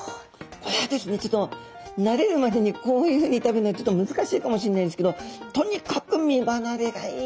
これはですねちょっと慣れるまでにこういうふうに食べるのはちょっと難しいかもしれないんですけど身離れ。